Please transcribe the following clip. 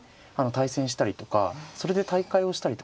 対戦したりとかそれで大会をしたりとか。